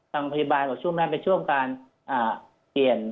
ทางพยาบาลก็ช่วงแม่นไปช่วงการเปลี่ยน